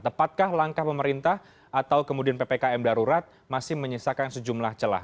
tepatkah langkah pemerintah atau kemudian ppkm darurat masih menyisakan sejumlah celah